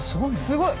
すごい。